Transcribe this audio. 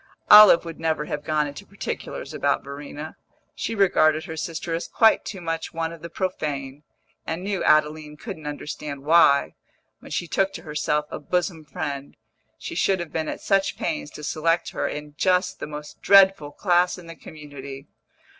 Olive would never have gone into particulars about Verena; she regarded her sister as quite too much one of the profane, and knew Adeline couldn't understand why, when she took to herself a bosom friend, she should have been at such pains to select her in just the most dreadful class in the community.